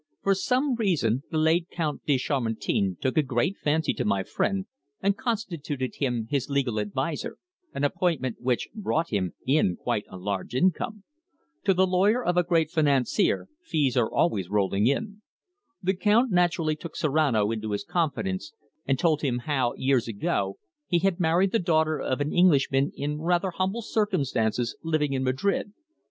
For some reason the late Count de Chamartin took a great fancy to my friend, and constituted him his legal adviser, an appointment which brought him in quite a large income. To the lawyer of a great financier fees are always rolling in. The Count naturally took Serrano into his confidence and told him how, years ago, he had married the daughter of an Englishman in rather humble circumstances, living in Madrid.